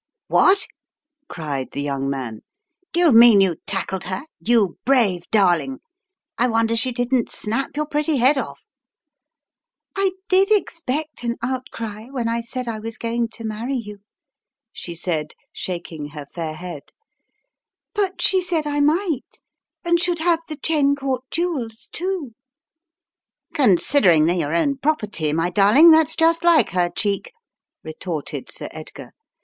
"What!" cried the young man. "Do you mean you tackled her — you brave darling. I wonder she didn't snap your pretty head off." "I did expect an outcry, when I said I was going to marry you," she said, shaking her fair head, "but In the Tiger's Clutches 83 she said I might, and should have the Cheyne Court jewels, too.* "Considering they're your own property, my darling, that's just like her cheek," retorted Sir Edgar.